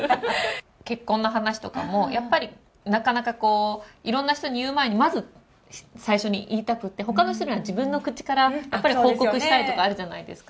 結婚の話とかも、やっぱりなかなかこう、いろんな人に言う前に、まず最初に言いたくって、ほかの人には自分の口からやっぱり報告したいとかあるじゃないですか。